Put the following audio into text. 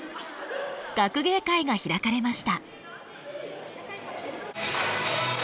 学芸会が開かれました。